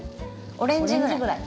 オレンジぐらい？